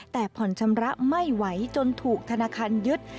แต่ผ่อนชำระไม่ไหวจนถูกธนาคารยึด